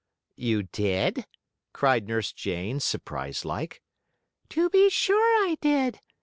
"You did?" cried Nurse Jane, surprised like. "To be sure I did.